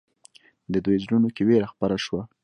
د دوی زړونو کې وېره خپره شوه.